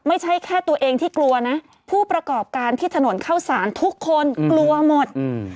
ไม่ใช่แค่ตัวเองที่กลัวนะผู้ประกอบการที่ถนนเข้าสารทุกคนกลัวหมดอืม